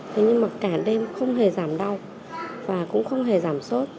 thế nhưng mà cả đêm không hề giảm đau và cũng không hề giảm sốt